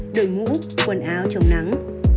đội mũ quần áo chống nắng